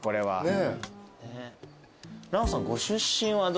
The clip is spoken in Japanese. ねえ。